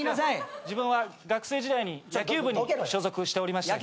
自分は学生時代に野球部に所属しておりまして。